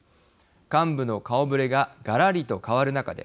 幹部の顔ぶれががらりと変わる中で